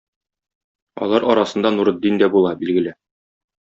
Алар арасында Нуретдин дә була, билгеле.